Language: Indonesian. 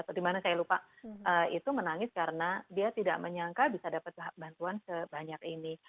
dimana saya lupa itu menangis karena dia tidak menyangka bisa dapat bantuan sebanyak ini